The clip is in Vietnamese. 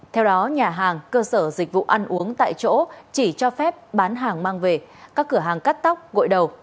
theo đó nhà hàng cơ sở dịch vụ ăn uống tại chỗ chỉ cho phép bán hàng mang về các cửa hàng cắt tóc gội đầu